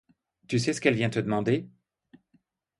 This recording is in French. Tu sais ce qu'elle vient te demander?